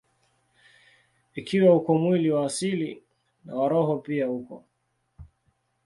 Ikiwa uko mwili wa asili, na wa roho pia uko.